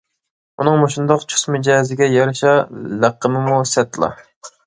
ئۇنىڭ مۇشۇنداق چۇس مىجەزىگە يارىشا لەقىمىمۇ سەتلا.